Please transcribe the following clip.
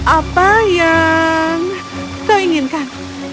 apa yang kau inginkan